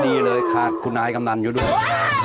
ดีเลยขาดคุณอายกำนันอยู่ด้วย